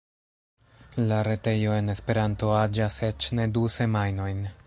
La retejo en Esperanto aĝas eĉ ne du semajnojn!